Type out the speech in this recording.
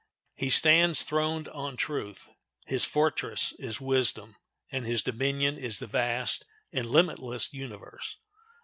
He stands throned on truth; his fortress is wisdom, and his dominion is the vast and limitless universe.